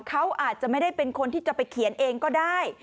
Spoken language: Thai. เขาอาจจะไม่ได้เป็นคนที่จะไปเขียนเองก็ได้